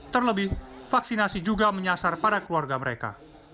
terlebih vaksinasi juga menyasar pada keluarga mereka